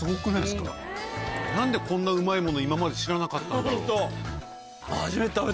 何でこんなうまいもの今まで知らなかったんだろう。